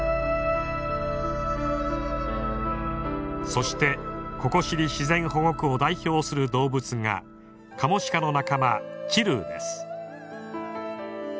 そしてココシリ自然保護区を代表する動物がカモシカの仲間チルーです。